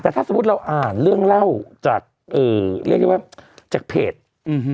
แต่ถ้าสมมุติเราอ่านเรื่องเล่าจากเอ่อเรียกได้ว่าจากเพจอืม